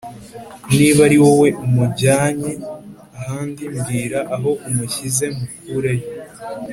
niba ari wowe umujyanye ahandi mbwira aho umushyize mukureyo